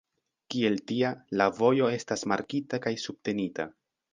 Kiel tia, la vojo estas markita kaj subtenita.